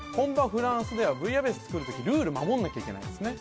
フランスではブイヤベースつくる時ルール守んなきゃいけないんですね